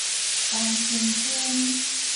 東清村